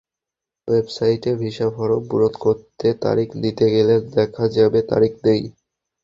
ওয়েবসাইটে visa form পূরণ করে তারিখ নিতে গেলে দেখা যাবে, তারিখ নেই।